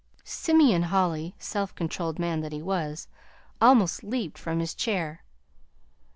Simeon Holly, self controlled man that he was, almost leaped from his chair.